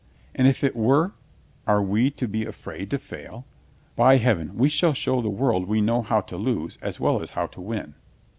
"And if it were, are we to be afraid to fail? By Heaven, we will show the world we know how to lose as well as how to win."